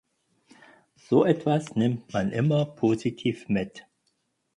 So etwas nimmt man immer positiv mit.